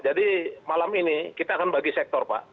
jadi malam ini kita akan bagi sektor pak